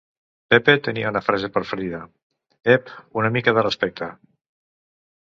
Pepe tenia una frase preferida: "Ep! una mica de respecte!".